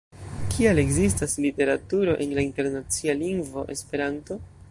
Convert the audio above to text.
Kial ekzistas literaturo en la internacia lingvo Esperanto?